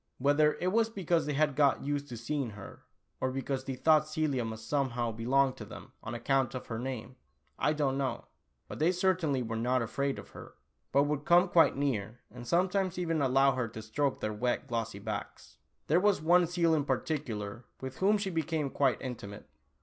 Whether it was because they had got used to seeing her, or because they thought Celia must somehow belong to them on account of her name, I don't know, but they certainly were not afraid of her, but would come quite near, and sometimes even allow her to stroke their wet glossy backs. There was one seal in particular, with whom she became quite intimate.